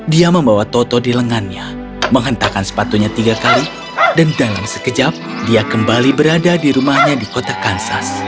dia membawa toto di lengannya menghentakan sepatunya tiga kali dan dalam sekejap dia kembali berada di rumahnya di kota kansas